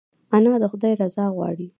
انا د خدای رضا غواړي